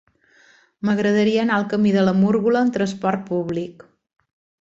M'agradaria anar al camí de la Múrgola amb trasport públic.